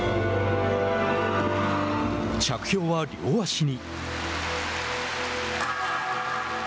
着氷は両足に。